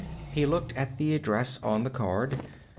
He looked at the address on the card.